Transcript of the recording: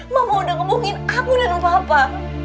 mama udah ngebohongin aku dan papa